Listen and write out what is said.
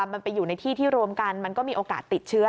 มันไปอยู่ในที่ที่รวมกันมันก็มีโอกาสติดเชื้อ